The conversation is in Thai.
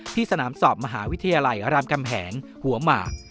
สนามสอบมหาวิทยาลัยรามกำแหงหัวหมาก